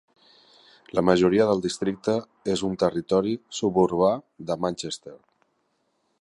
La majoria del districte és un territori suburbà de Manchester.